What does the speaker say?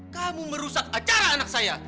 kamu merusak acara anak saya